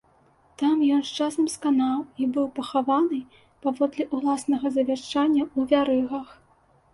Там ён з часам сканаў і быў пахаваны, паводле ўласнага завяшчання ў вярыгах.